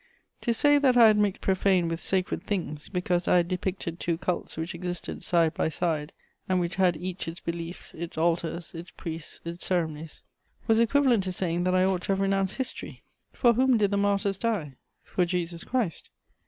To say that I had mixed profane with sacred things, because I had depicted two cults which existed side by side and which had each its beliefs, its altars, its priests, its ceremonies, was equivalent to saying that I ought to have renounced history. For whom did the martyrs die? For Jesus Christ.